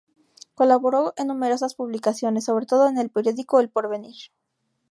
Colaboró en numerosas publicaciones, sobre todo en el periódico "El porvenir".